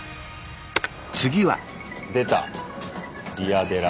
出た「リアデラ」。